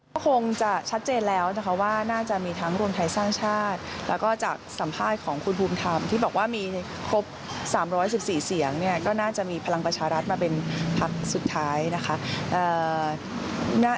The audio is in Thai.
ก็คงจะชัดเจนแล้วนะคะว่าน่าจะมีทั้งรวมไทยสร้างชาติแล้วก็จากสัมภาษณ์ของคุณภูมิธรรมที่บอกว่ามีครบ๓๑๔เสียงเนี่ยก็น่าจะมีพลังประชารัฐมาเป็นพักสุดท้ายนะคะ